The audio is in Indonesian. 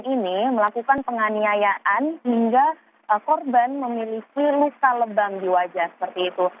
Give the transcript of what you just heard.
dan ini melakukan penganiayaan hingga korban memiliki luka lebam di wajah seperti itu